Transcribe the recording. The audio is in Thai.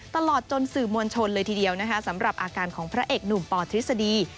ตลอดจนสื่อมวลชนเลยทีเดียวนะคะสำหรับอาการของพระเอกหนุ่มปทฤษฎี